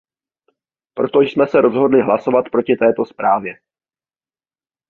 Proto jsme se rozhodli hlasovat proti této zprávě.